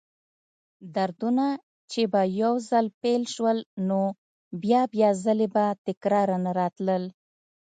دردونه چې به یو ځل پیل شول، نو بیا بیا ځلې به تکراراً راتلل.